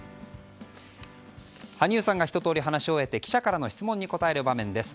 羽生さんがひと通り話し終えて記者からの質問に答える場面です。